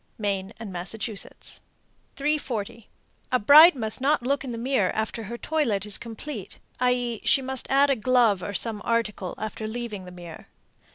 Maine and Massachusetts. 340. A bride must not look in the glass after her toilet is complete, i.e., she must add a glove or some article after leaving the mirror.